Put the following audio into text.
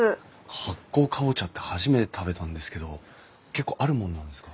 発酵カボチャって初めて食べたんですけど結構あるもんなんですか？